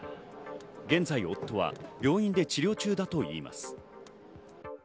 現在、夫は病院で治療中だといいます。